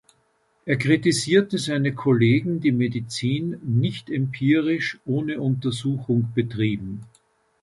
Er kritisierte seine Kollegen, die Medizin nicht-empirisch, ohne Untersuchung betrieben.